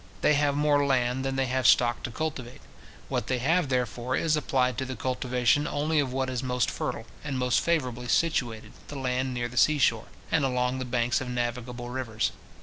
They have more land than they have stock to cultivate. What they have, therefore, is applied to the cultivation only of what is most fertile and most favourably situated, the land near the sea shore, and along the banks of navigable rivers.